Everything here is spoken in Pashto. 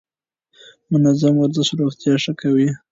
منظم ورزش روغتيا ښه کوي.